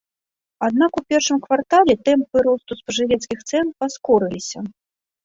Аднак у першым квартале тэмпы росту спажывецкіх цэн паскорыліся.